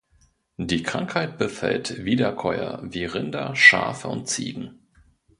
Die Krankheit befällt Wiederkäuer wie Rinder, Schafe und Ziegen.